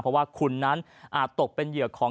เพราะว่าคุณนั้นอาจตกเป็นเหยื่อของ